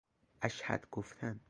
اشهد گفتن